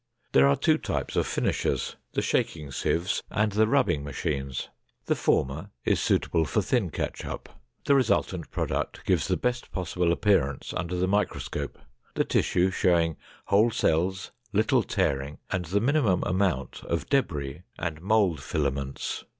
There are two types of finishers, the shaking sieves and the rubbing machines. The former is suitable for thin ketchup. The resultant product gives the best possible appearance under the microscope, the tissue showing whole cells, little tearing, and the minimum amount of debris and mold filaments.